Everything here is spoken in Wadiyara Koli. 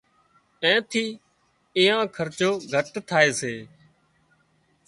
اين ٿي ايئان خرچو گهٽ ٿائي سي